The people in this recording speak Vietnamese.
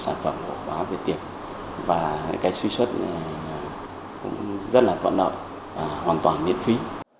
sản phẩm bổ khóa về tiền và cái truy xuất cũng rất là toàn lợi hoàn toàn miễn phí